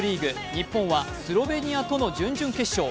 日本はスロベニアとの準々決勝。